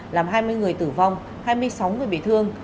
làm hai mươi người tử vong hai mươi sáu người bị thương